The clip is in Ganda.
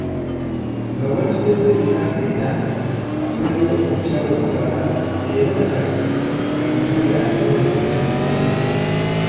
Nga wayise emyaka ena, nnafunayo omukyala omulala era nakati gwe nnina y'anyoola emizingoonyo.